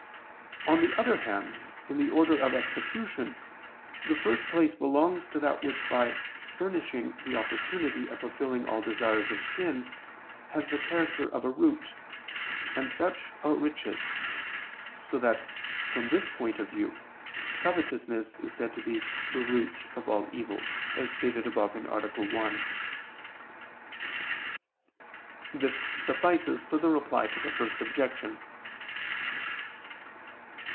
On the other hand, in the order of execution, the first place belongs to that which by furnishing the opportunity of fulfilling all desires of sin, has the character of a root, and such are riches; so that, from this point of view, covetousness is said to be the "root" of all evils, as stated above (A. 1). This suffices for the Reply to the First Objection.